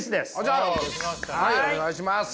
はいお願いします。